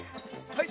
はい。